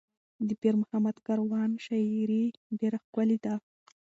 د پیر محمد کاروان شاعري ډېره ښکلې ده.